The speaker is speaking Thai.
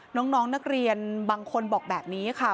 น้องนักเรียนบางคนบอกแบบนี้ค่ะ